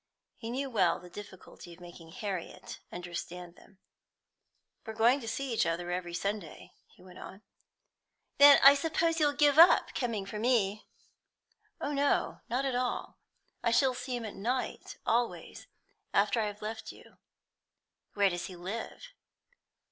He knew well the difficulty of making Harriet understand them. "We are going to see each other every Sunday," he went on. "Then I suppose you'll give up coming for me?" "Oh no, not at all. I shall see him at night always, after I have left you." "Where does he live?"